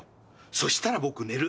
そしたら僕寝る。